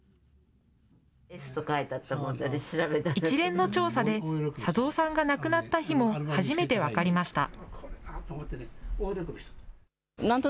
一連の調査で、左三さんが亡くなった日も初めて分かりました。